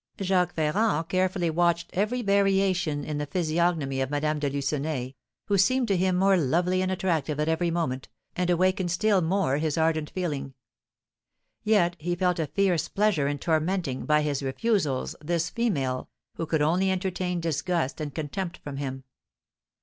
Jacques Ferrand carefully watched every variation in the physiognomy of Madame de Lucenay, who seemed to him more lovely and attractive at every moment, and awakened still more his ardent feeling. Yet he felt a fierce pleasure in tormenting, by his refusals, this female, who could only entertain disgust and contempt for him.